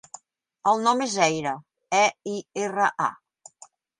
El nom és Eira: e, i, erra, a.